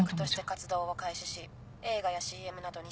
映画やＣＭなどに出演。